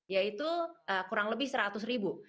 yaitu kurang lebih rp seratus